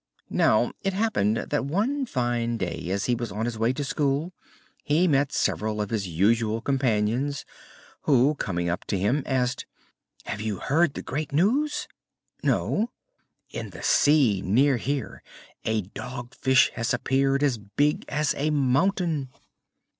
Now it happened that one fine day, as he was on his way to school, he met several of his usual companions who, coming up to him, asked: "Have you heard the great news?" "No." "In the sea near here a Dog Fish has appeared as big as a mountain."